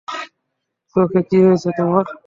চোখে কী হয়েছে তোমার?